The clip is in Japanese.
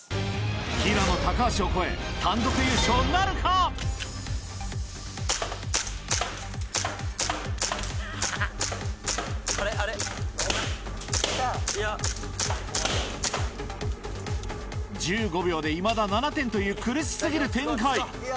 平野橋を超え単独優勝なるか⁉あれ⁉１５秒でいまだ７点という苦し過ぎる展開